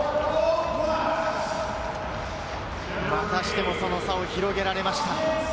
またしても、その差を広げられました。